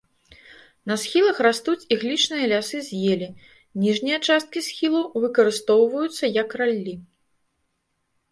На схілах растуць іглічныя лясы з елі, ніжнія часткі схілаў выкарыстоўваюцца як раллі.